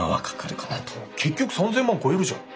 結局３，０００万超えるじゃん。